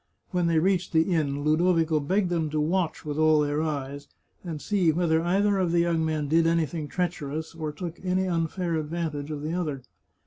When they reached the inn, Ludovico begged them to watch with all their eyes, and see whether either of the young men did anything treacherous, or took any unfair advantage of the other.